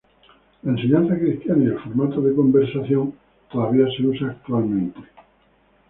La enseñanza cristiana y el formato de conversación todavía se usa actualmente.